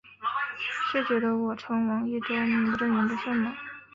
是觉得我称王益州名不正言不顺吗？